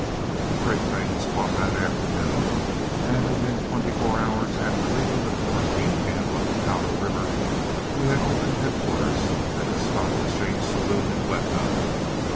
A freight train was caught that afternoon, and within twenty four hours after leaving the quarantine camp on the Powder River, we had opened headquarters at the Stock Exchange Saloon in Glendive.